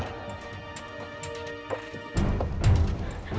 lebih baik kita pulang sekarang